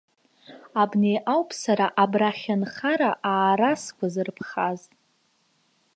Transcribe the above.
Абни ауп сара абрахь нхара аара сгәазырԥхаз.